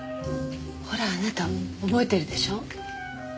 ほらあなた覚えてるでしょ？